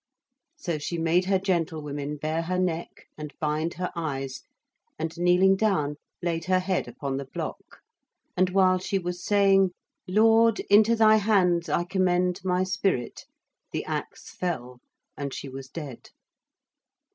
So she made her gentlewomen bare her neck and bind her eyes and kneeling down laid her head upon the block, and while she was saying, 'Lord, into Thy hands I commend my spirit,' the axe fell and she was dead.